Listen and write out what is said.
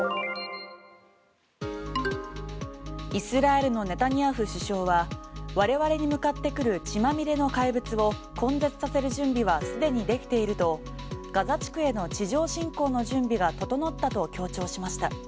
イスラエルのネタニヤフ首相は我々に向かってくる血まみれの怪物を根絶させる準備は既にできていると、ガザ地区への地上侵攻の準備が整ったと強調しました。